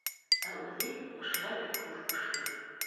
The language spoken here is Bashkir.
Ә үҙе ошолайтып һүҙ ҡушты: